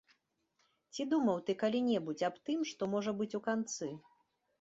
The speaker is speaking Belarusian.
Ці думаў ты калі-небудзь аб тым, што можа быць у канцы?